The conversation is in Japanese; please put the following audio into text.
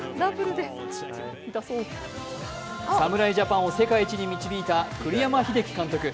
侍ジャパンを世界一に導いた栗山英樹監督。